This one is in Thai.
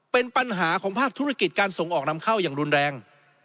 เป็นปัญหาของภาคธุรกิจการส่งออกนำเข้าอย่างรุนแรง